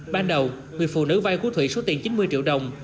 ban đầu người phụ nữ vay của thụy số tiền chín mươi triệu đồng